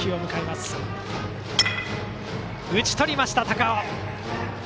打ち取りました、高尾。